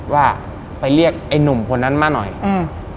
ว่าไปเรียกไอ้หนุ่มคนนั้นมาหน่อยอืม